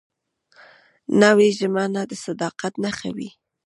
نوې ژمنه د صداقت نښه وي